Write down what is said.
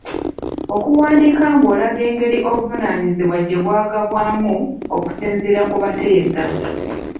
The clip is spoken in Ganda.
Okuwandiika ng’olaga engeri obuvunaanyizibwa gye bwagabwamu okusinziira ku bateesa.